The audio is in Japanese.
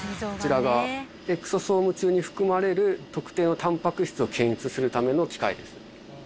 こちらがエクソソーム中に含まれる特定のたんぱく質を検出するための機械です。